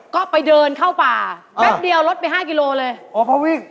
ก็ไปเดินเข้าป่าแป๊บเดียวลดไปห้ากิโลเลยอ๋อเขาวิ่ง